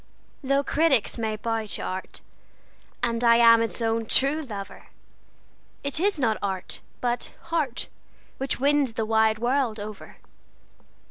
Though critics may bow to art, and I am its own true lover, It is not art, but heart, which wins the wide world over.